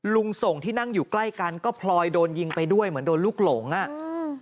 ลุงส่งที่นั่งอยู่ใกล้กันก็พลอยโดนยิงไปด้วยเหมือนโดนลูกหลงอ่ะอืม